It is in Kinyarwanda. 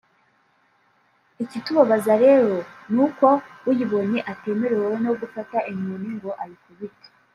ikitubabaza rero ni uko uyibonye utemerewe no gufata inkoni ngo uyikubite